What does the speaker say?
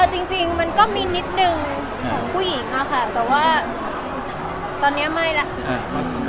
จริงมันก็มีนิดนึงของผู้หญิงอะค่ะแต่ว่าตอนนี้ไม่แล้ว